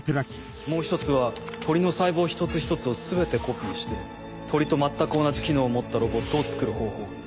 もう一つは鳥の細胞一つ一つを全てコピーして鳥と全く同じ機能を持ったロボットを作る方法。